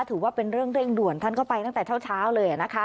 ถือว่าเป็นเรื่องเร่งด่วนท่านก็ไปตั้งแต่เช้าเลยนะคะ